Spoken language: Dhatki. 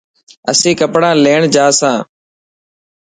اسين ڪپڙا ليڻ جا سان.